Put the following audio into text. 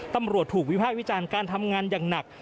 ตำรวจถูกวิภาควิจารณ์การทำงานอย่างหนัก